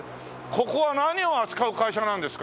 ここは何を扱う会社なんですか？